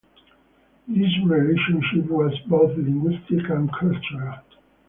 This relationship was both linguistic and cultural.